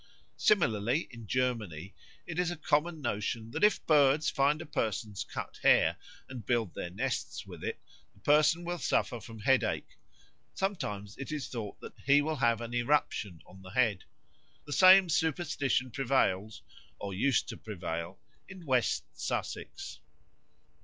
Similarly in Germany it is a common notion that if birds find a person's cut hair, and build their nests with it, the person will suffer from headache; sometimes it is thought that he will have an eruption on the head. The same superstition prevails, or used to prevail, in West Sussex.